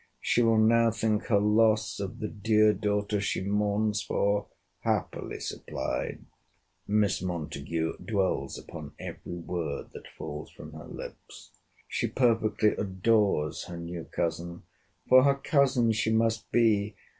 —She will now think her loss of the dear daughter she mourns for happily supplied!' Miss Montague dwells upon every word that falls from her lips. She perfectly adores her new cousin—'For her cousin she must be.